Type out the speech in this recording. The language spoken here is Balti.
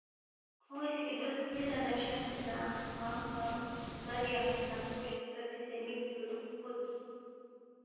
کھون٘ی سی دو سکِل لہ نہ فشقسے نہ کھروانگ کھروانگ بر یغین لقپو چھُودپا بیاسے مِک چُورُوک فُودس